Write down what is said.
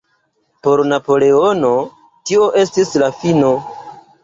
Por Napoleono tio estis la fino.